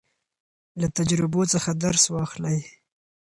له تجربو څخه درس واخلئ.